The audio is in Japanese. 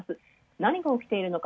何が起きているのか。